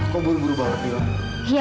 kok buru buru banget bilang